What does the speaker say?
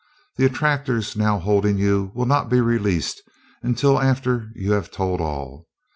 The attractors now holding you will not be released until after you have told all.